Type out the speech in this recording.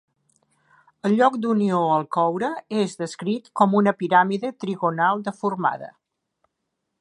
El lloc d'unió al coure és descrit com una piràmide trigonal deformada.